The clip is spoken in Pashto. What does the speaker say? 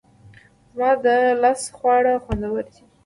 زما د لاس خواړه خوندور دي